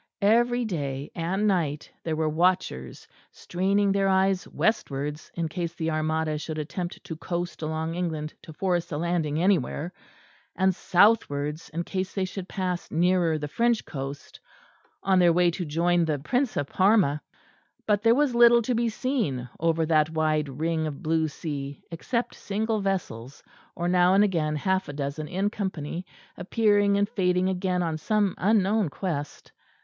Every day and night there were watchers, straining their eyes westwards in case the Armada should attempt to coast along England to force a landing anywhere, and southwards in case they should pass nearer the French coast on their way to join the Prince of Parma; but there was little to be seen over that wide ring of blue sea except single vessels, or now and again half a dozen in company, appearing and fading again on some unknown quest.